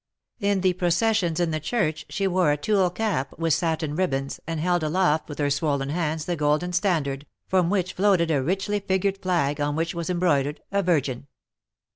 In the processions in the church, she wore a tulle cap, with satin ribbons, and held aloft with her swollen hands the golden standard, from which floated a richly figured flag, on which was embroidered a Virgin.